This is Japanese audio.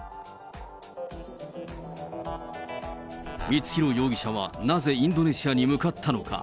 光弘容疑者はなぜインドネシアに向かったのか。